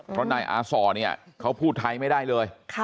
เพราะนายอาส่อเนี่ยเขาพูดไทยไม่ได้เลย